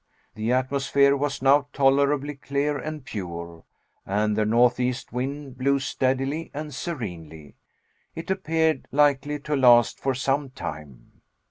The atmosphere was now tolerably clear and pure, and the northeast wind blew steadily and serenely. It appeared likely to last for some time.